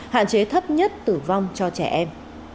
hạn chế thấp nhất tử vong cho trẻ em